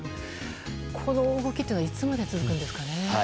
この動きというのはいつまで続くんですかね。